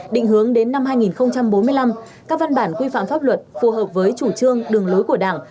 định hướng đến năm hai nghìn bốn mươi năm các văn bản quy phạm pháp luật phù hợp với chủ trương đường lối của đảng